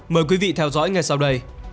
mời quý vị theo dõi ngay sau đây